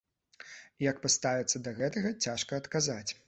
Як паставіцца да гэтага, цяжка адказаць.